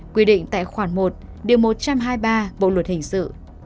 quy định tại khoản một điều một trăm hai mươi ba bộ luật hình sự